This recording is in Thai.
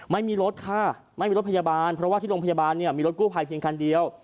ไม่มีรถค่ะไม่มีรถพยาบาลเพราะว่าที่โรงพยาบาลเนี่ยมีรถกู้ภัยเพียงคันเดียว